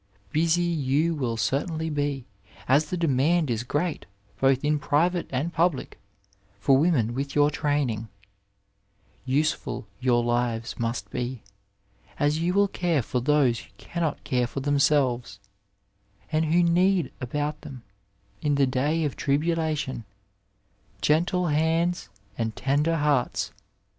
Busy you will certainly be, as the demand is great, both in private and public, for women with your training. Useful your lives must be, as you will care for those who cannot care for themselves, and who need about them, in the day of tribulation, gentle 19 Digitized by VjOOQiC DOCTOR AND NURSE hands and tender hearts.